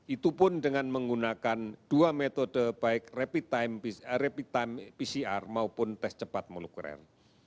itu pun dengan menggunakan dua metode baik rapid time pcr maupun tes cepat molekuler